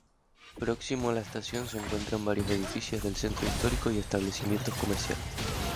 Próximo a la estación se encuentran varios edificios del Centro Histórico y establecimientos comerciales.